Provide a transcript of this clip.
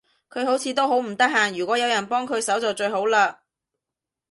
佢好似都好唔得閒，如果有人幫佢手就最好嘞